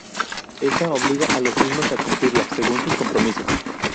Ésta obliga a los mismos a cumplirla, según sus compromisos.